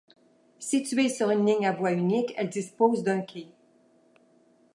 Située sur une ligne à voie unique elle dispose d'un quai.